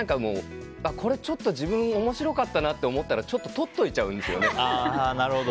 これちょっと自分おもしろかったなと思ったらちょっと、とっといちゃうんです。